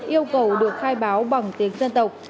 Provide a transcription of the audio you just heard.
yêu cầu được khai báo bằng tiếng dân tộc